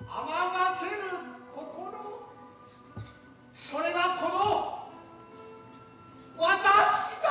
天翔ける心、それがこの私だ。